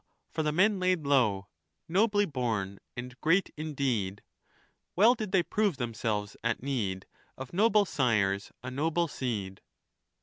for the men lai 1 low, N obly born and great in deed ; Well did they prove themselves at need Of noble sires a noble seed.